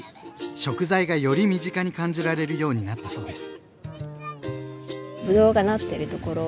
食材がより身近に感じられるようになったそうです。